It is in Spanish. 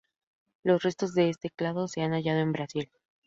Los restos de este clado se han hallado en Brasil.